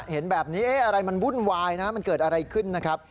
เห็นแบบนี้อะไรมันวุ่นวายนะมันเกิดอะไรขึ้นนะครับ